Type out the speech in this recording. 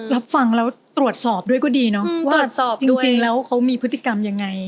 รับฟังแล้วตรวจสอบด้วยก็ดีเนาะว่าจริงแล้วเขามีพฤติกรรมยังไง